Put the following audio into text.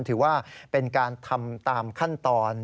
ถือว่าเป็นการทำตามขั้นตอน